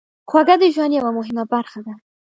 خوږه د ژوند یوه مهمه برخه ده.